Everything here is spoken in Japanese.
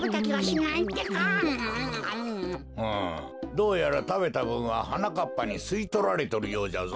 うんどうやらたべたぶんははなかっぱにすいとられとるようじゃぞ。